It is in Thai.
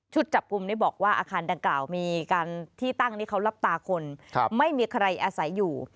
จับกลุ่มนี้บอกว่าอาคารดังกล่าวมีการที่ตั้งนี่เขารับตาคนไม่มีใครอาศัยอยู่